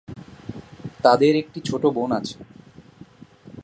তাদের একটি ছোট বোন আছে।